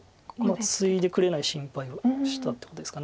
ツイでくれない心配をしたってことですか。